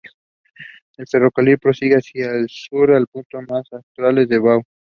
El ferrocarril prosigue hacia el sur; el punto más austral es Wau.